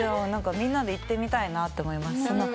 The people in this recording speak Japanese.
みんなで行ってみたいなと思います。